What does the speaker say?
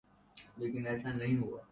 عام آدمی ان پہ رشک ہی کر سکتا ہے۔